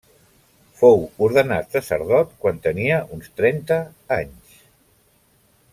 Fou ordenat sacerdot quan tenia uns trenta anys.